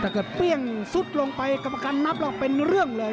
ถ้าเกิดเปรี้ยงสุดลงไปกรรมการนับหลอกเป็นเรื่องเลย